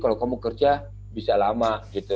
kalau kamu kerja bisa lama gitu